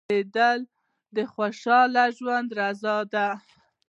• خندېدل د خوشال ژوند راز دی.